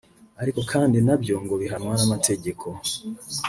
ariko kandi nabyo ngo bihanwa n’amategeko